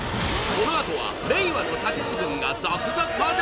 このあとは令和のたけし軍が続々登場